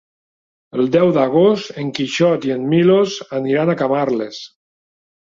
El deu d'agost en Quixot i en Milos aniran a Camarles.